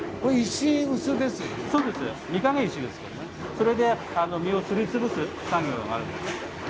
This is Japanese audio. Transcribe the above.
それで身をすり潰す作業があるんです。